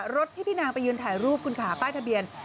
รถที่พี่นางไปยืนถ่ายรูปคุณค่ะป้ายทะเบียน